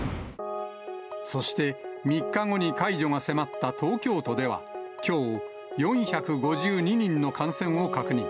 そして３日後に解除が迫った東京都では、きょう、４５２人の感染を確認。